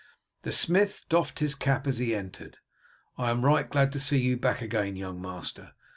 The smith doffed his cap as he entered. "I am right glad to see you back again, young master.